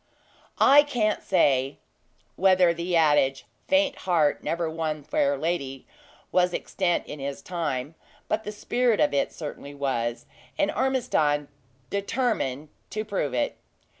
I can't say whether the adage! "Faint heart never won fair lady!" was extant in his time; but the spirit of it certainly was, and Ormiston determined to prove it.